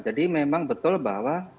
jadi memang betul bahwa